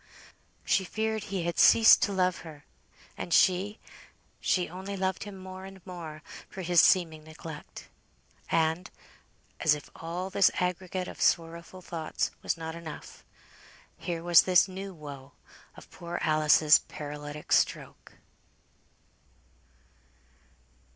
She feared he had ceased to love her; and she she only loved him more and more for his seeming neglect. And, as if all this aggregate of sorrowful thoughts was not enough, here was this new woe, of poor Alice's paralytic stroke.